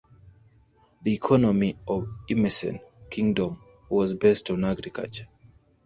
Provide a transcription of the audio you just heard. The economy of the Emesene Kingdom was based on agriculture.